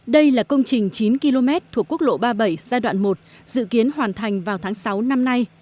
đây là công trình chín km thuộc quốc lộ ba mươi bảy giai đoạn một dự kiến hoàn thành vào tháng sáu năm nay